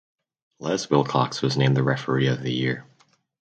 Les Wilcox was named the Referee of the Year.